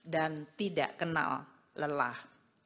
dan tidak kenal lelah